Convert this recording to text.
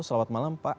selamat malam pak